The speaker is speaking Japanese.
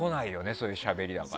そういうしゃべりだから。